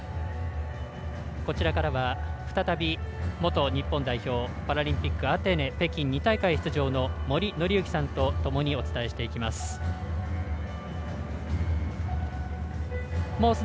こちらからは再び元日本代表パラリンピックアテネ、北京２大会出場の森紀之さんとともにお伝えしていきます。